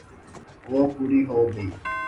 وہ پوری ہو گئی۔